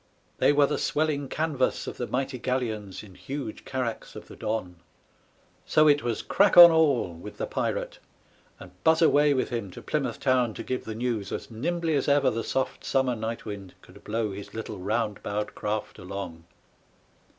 They were the swelling canvas pf the mighty galleons and huge carracks of the Don. So it was " crack on all " with the pirate, and buzz away" with him to Plymouth town to give the news, as nimbly as ever the soft summer night wind could blow his little round bowed craft along.